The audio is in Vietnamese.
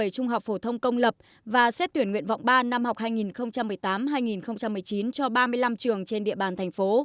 trung học phổ thông công lập và xét tuyển nguyện vọng ba năm học hai nghìn một mươi tám hai nghìn một mươi chín cho ba mươi năm trường trên địa bàn thành phố